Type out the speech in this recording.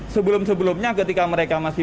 sebelum sebelumnya ketika mereka masih